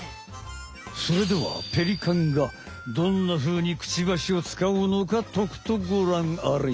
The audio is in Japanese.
それではペリカンがどんなふうにクチバシを使うのかとくとごらんあれ！